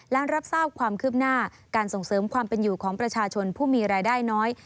และรับทราบความคืบหน้าการส่งเสริมความเป็นอยู่ของประชาชนผู้มีรายได้น้อย